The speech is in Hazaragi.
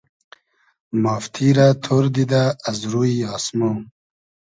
مافتی رۂ تۉر دیدۂ از روی آسمۉ